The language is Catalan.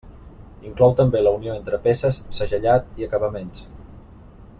Inclou també la unió entre peces, segellat i acabaments.